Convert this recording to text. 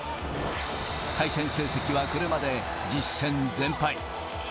対戦成績はこれまで１０戦全敗。